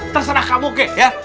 terserah kamu oke ya